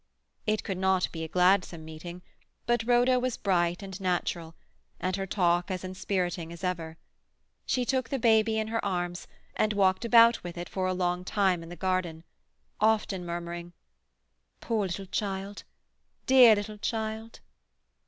It could not be a gladsome meeting, but Rhoda was bright and natural, and her talk as inspiriting as ever. She took the baby in her arms, and walked about with it for a long time in the garden, often murmuring, "Poor little child! Dear little child!"